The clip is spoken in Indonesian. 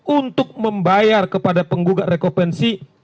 untuk membayar kepada penggugat rekovensi